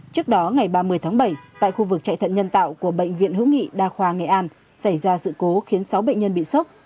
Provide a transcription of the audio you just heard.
trước đó ngày ba mươi tháng bảy tại khu vực chạy thận nhân tạo của bệnh viện hữu nghị đa khoa nghệ an xảy ra sự cố khiến sáu bệnh nhân bị sốc